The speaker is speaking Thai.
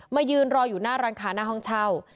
ยืนรออยู่หน้าร้านค้าหน้าห้องเช่า